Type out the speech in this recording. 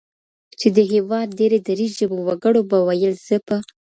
چي د هيواد ډیری دري ژبو وګړو به ویل: «زه په